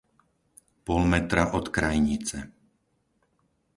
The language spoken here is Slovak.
pol metra od krajnice